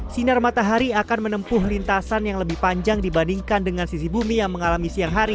sinar matahari akan menempuh lintasan yang lebih panjang dibandingkan dengan sisi bumi yang mengalami siang hari